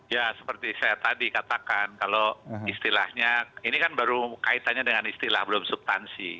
ya seperti saya tadi katakan kalau istilahnya ini kan baru kaitannya dengan istilah belum subtansi